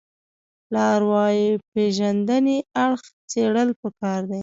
له ارواپېژندنې اړخ څېړل پکار دي